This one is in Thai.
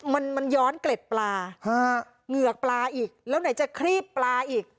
มันมันย้อนเกล็ดปลาฮะเหงือกปลาอีกแล้วไหนจะครีบปลาอีก